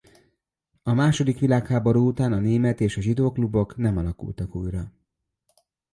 A második világháború után a német és a zsidó klubok nem alakultak újra.